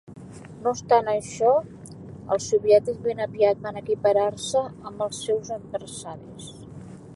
No obstant això, els soviètics ben aviat van equiparar-se amb els seus adversaris.